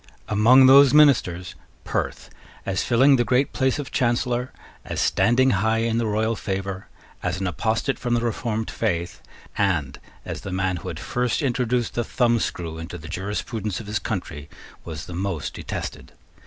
Among those ministers Perth, as filling the great place of Chancellor, as standing high in the royal favour, as an apostate from the reformed faith, and as the man who had first introduced the thumbscrew into the jurisprudence of his country, was the most detested.